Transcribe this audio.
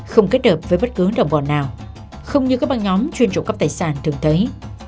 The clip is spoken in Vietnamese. không kết hợp với bất cứ động vọt nào không như các băng nhóm chuyên trụ cấp tài sản thường thấy